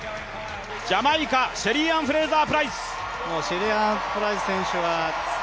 ジャマイカ、シェリーアン・フレイザー・プライス。